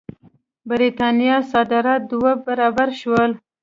برېټانیا صادرات دوه برابره شول.